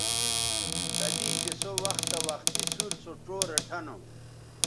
کدی چہء سو وختہ وختی سُور سو ڇو ریٹھہ نو